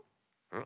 ん？